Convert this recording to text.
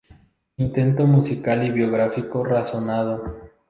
Intento musical y biográfico razonado.